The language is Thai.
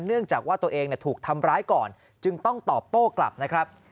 เนื่องจากว่าตัวเองถูกทำร้ายก่อนจึงต้องตอบโต้กลับนะครับ